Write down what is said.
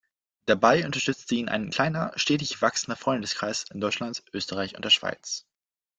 Dabei unterstützte ihn ein kleiner, stetig wachsender Freundeskreis in Deutschland, Österreich und der Schweiz.